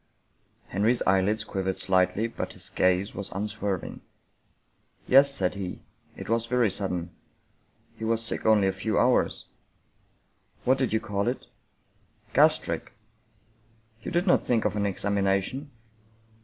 Henry's eyeHds quivered sHghtly but his gaze was un swerving. " Yes," said he ;" it was very sudden. He was sick only a few hours." " What did you call it? "" Gastric." " You did not think of an examination?